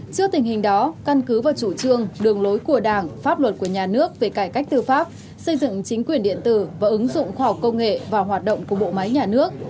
trước tình hình đó căn cứ vào chủ trương đường lối của đảng pháp luật của nhà nước về cải cách tư pháp xây dựng chính quyền điện tử và ứng dụng khoa học công nghệ vào hoạt động của bộ máy nhà nước